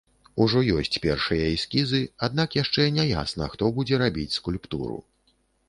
Ужо ёсць першыя эскізы, аднак яшчэ не ясна, хто будзе рабіць скульптуру.